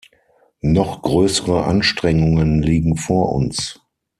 Noch größere Anstrengungen liegen vor uns.